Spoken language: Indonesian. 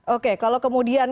oke kalau kemudian